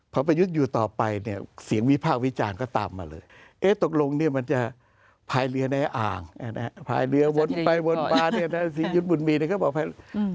พอประยุทธ์อยู่ต่อไปเนี่ยเสียงวิพากษ์วิจารณ์ก็ตามมาเลยเอ๊ะตกลงเนี่ยมันจะพายเรือในอ่างภายเรือวนไปวนมาเนี่ยท่านศรียุทธ์บุญมีเนี่ยก็บอกภาย